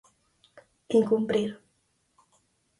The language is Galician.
Incumprir.